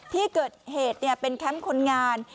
ที่เกิดเหตุเป็นแคมป์คนงาน